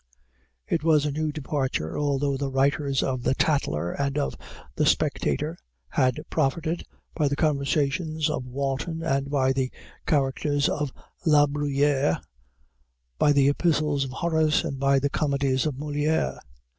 It was a new departure, although the writers of the Tatler and of the Spectator had profited by the Conversations of Walton and by the Characters of La Bruyère, by the epistles of Horace and by the comedies of Molière.